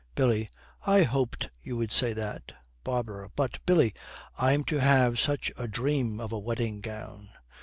BILLY. 'I hoped you would say that.' BARBARA. 'But, Billy, I'm to have such a dream of a wedding gown.